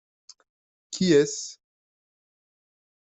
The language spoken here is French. Qui est-ce ?